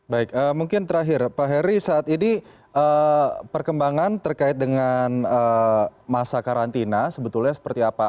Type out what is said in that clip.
baik mungkin terakhir pak heri saat ini perkembangan terkait dengan masa karantina sebetulnya seperti apa